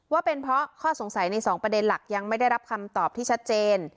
ว่าเป็นเพราะข้อสงสัยในสองประเด็นหลักยังไม่ได้รับคำตอบที่ชัดเจน